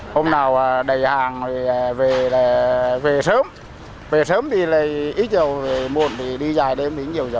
hôm nào đầy hàng thì về là về sớm về sớm thì ít nhiều về muộn thì đi dài đêm